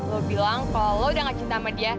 lo bilang kalau lo udah gak cinta sama dia